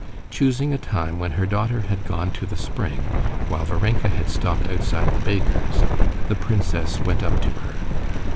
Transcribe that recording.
Choosing a time when her daughter had gone to the spring, while Varenka had stopped outside the baker's, the princess went up to her.